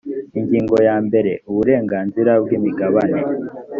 ingingo ya mbere uburenganzira bwi imigabane